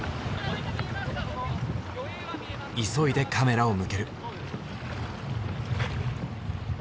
急いでカメラを向ける。